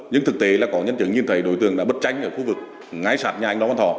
nhưng thực tế là có nhân chứng nhìn thấy đối tượng đã bất tranh ở khu vực ngãi sạt nhà anh ló văn thỏ